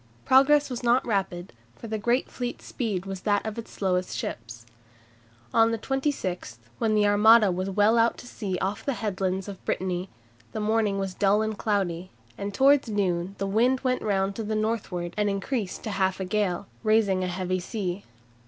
Progress was not rapid, for the great fleet's speed was that of its slowest ships. On the 26th, when the Armada was well out to sea off the headlands of Brittany, the morning was dull and cloudy, and towards noon the wind went round to the northward and increased to half a gale, raising a heavy sea.